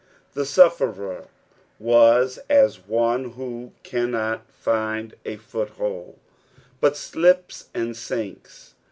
'" The BiifFerer wan as one who cannot find a foothold, but slips and sinks.